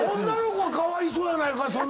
女の子がかわいそうやないか。